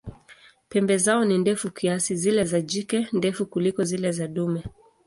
Pembe zao ni ndefu kiasi, zile za jike ndefu kuliko zile za dume.